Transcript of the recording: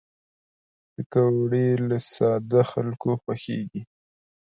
پکورې له ساده خلکو خوښېږي